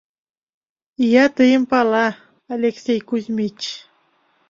— Ия тыйым пала, Алексей Кузьмич!